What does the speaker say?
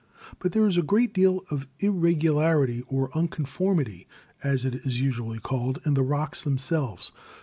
But there is a great deal of irregularity or 'uncon formity/ as it is usually called, in the rocks themselves.